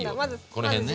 この辺ね。